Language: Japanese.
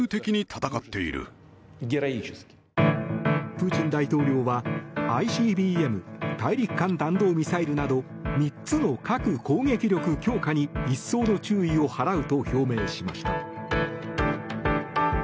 プーチン大統領はＩＣＢＭ・大陸間弾道ミサイルなど３つの核攻撃力強化に一層の注意を払うと表明しました。